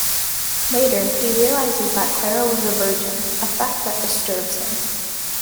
Later he realizes that Clara was a virgin, a fact that disturbs him.